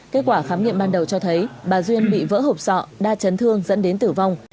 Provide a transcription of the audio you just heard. kết quả khám nghiệm ban đầu cho thấy bà duyên bị vỡ hộp sọ đa chấn thương dẫn đến tử vong